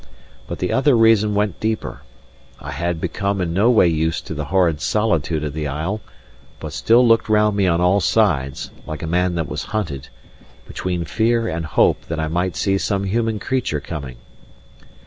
But the other reason went deeper. I had become in no way used to the horrid solitude of the isle, but still looked round me on all sides (like a man that was hunted), between fear and hope that I might see some human creature coming.